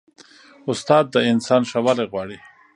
استاد د انسان ښه والی غواړي.